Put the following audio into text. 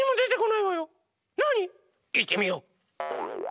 いってみよう！